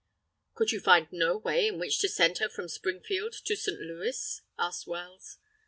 "Could you find no way in which to send her from Springfield to St. Louis?" asked Wells.